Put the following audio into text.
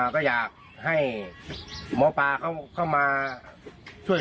ก็เลยอยากให้หมอปลาเข้ามาช่วยหน่อยค่ะ